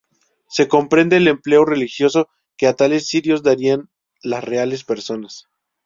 Se comprende el empleo religioso que a tales cirios darían las reales personas.